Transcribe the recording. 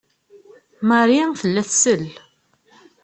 Marie tella tsell.